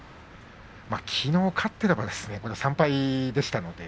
きのう勝っていれば３敗でしたので。